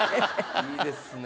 いいですね。